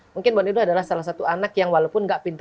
mungkin mbak nilo adalah salah satu anak yang terkenal dengan sepatu ini